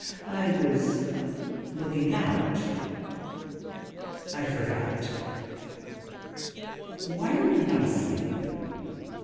'I was looking out ... I forgot. ... Why are you not asleep?'